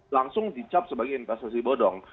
langsung dicap sebagai investasi bodong